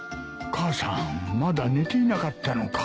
母さんまだ寝ていなかったのか。